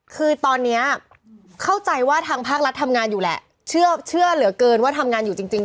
คือตอนนี้เข้าใจว่าทางภาครัฐทำงานอยู่แหละเชื่อเหลือเกินว่าทำงานอยู่จริง